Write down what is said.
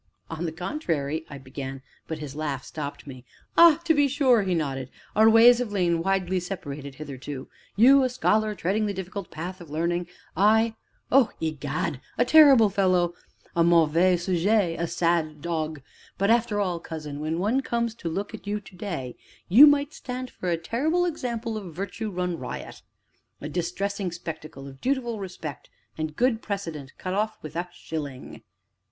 "On the contrary " I began, but his laugh stopped me. "Ah, to be sure!" he nodded, "our ways have lain widely separate hitherto you, a scholar, treading the difficult path of learning; I oh, egad! a terrible fellow! a mauvais sujet! a sad, sad dog! But after all, cousin, when one comes to look at you to day, you might stand for a terrible example of Virtue run riot a distressing spectacle of dutiful respect and good precedent cut off with a shilling.